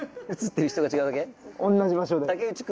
同じ場所で。